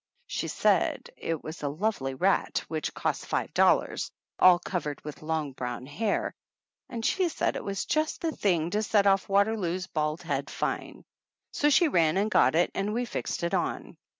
She said it was a lovely rat, which cost five dollars, all covered with long brown hair; and she said it was just the thing to set off Waterloo's bald head fine. So she ran and got it and we fixed it on.